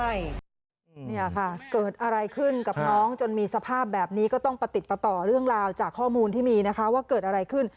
นี่ค่ะเกิดอะไรขึ้นกับน้องจนมีสภาพแบบนี้ก็ต้องประติดประต่อเรื่องราวจากข้อมูลที่มีนะคะว่าเกิดอะไรขึ้น